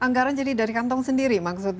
anggaran jadi dari kantong sendiri maksudnya